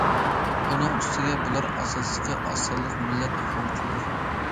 ئۇنىڭ ئۈستىگە بۇلار ئاساسلىقى ئاز سانلىق مىللەت ئوقۇغۇچىلىرى.